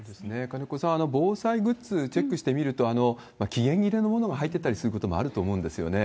金子さん、防災グッズ、チェックしてみると、期限切れのものも入ってたりすることもあると思うんですよね。